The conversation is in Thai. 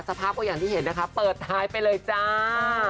สภาพก็อย่างที่เห็นนะคะเปิดท้ายไปเลยจ้า